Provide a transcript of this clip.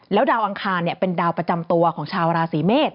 ดาวอังคารเป็นดาวประจำตัวของชาวราศีเมษ